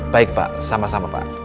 baik pak sama sama pak